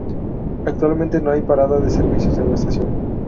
Actualmente no hay parada de servicios en la estación.